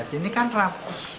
nah sini kan rapi